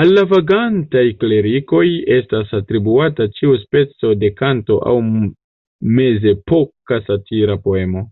Al la "vagantaj klerikoj" estas atribuata ĉiu speco de kanto aŭ mezepoka satira poemo.